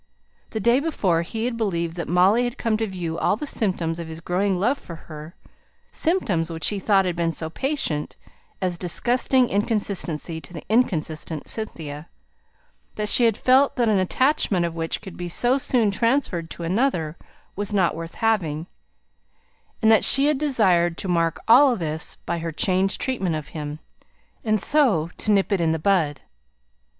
The day before, he had believed that Molly had come to view all the symptoms of his growing love for her, symptoms which he thought had been so patent, as disgusting inconstancy to the inconstant Cynthia; that she had felt that an attachment which could be so soon transferred to another was not worth having; and that she had desired to mark all this by her changed treatment of him, and so to nip it in the bud.